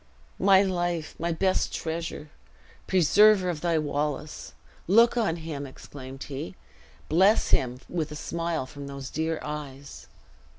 "My life! My best treasure! Preserver of thy Wallace! Look on him!" exclaimed he; "bless him with a smile from those dear eyes."